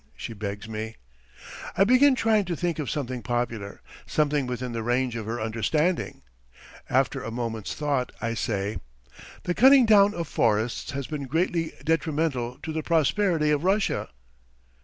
she begs me. I begin trying to think of something popular, something within the range of her understanding. After a moment's thought I say: "The cutting down of forests has been greatly detrimental to the prosperity of Russia.